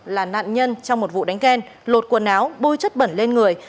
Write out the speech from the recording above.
là nạn nhân trong một vụ đánh ghen lột quần áo bôi chất bẩn lên người